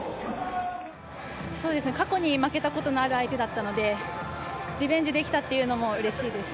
過去に負けたことのある相手だったので、リベンジできたっていうのも嬉しいです。